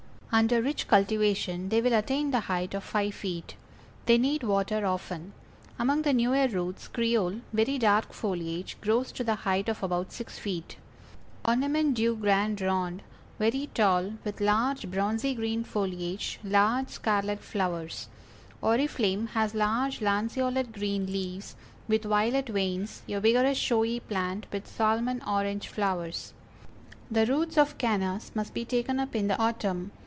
Under rich cultivation they will attain the height of five feet. They need water often. Among the newer roots Creole, very dark foliage, grows to the height of about six feet. Ornement du Grand Rond, very tall, with large bronzy green foliage, large scarlet flowers. Oriflamme has large lanceolate green leaves, with violet veins, a vigorous showy plant with salmon orange flowers. The roots of Cannas must be taken up in the autumn.